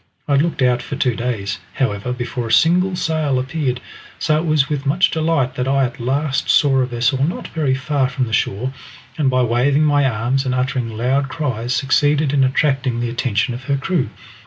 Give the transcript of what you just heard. I had looked out for two days, however, before a single sail appeared, so it was with much delight that I at last saw a vessel not very far from the shore, and by waving my arms and uttering loud cries succeeded in attracting the attention of her crew.